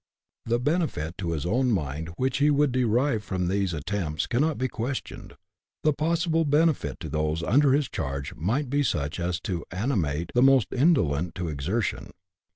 The benefit to his own mind which he would derive from these attempts cannot be questioned ; the possible benefit to those under his charge might be such as to animate the most indolent to exertion.